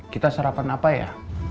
kita sarapan apa ya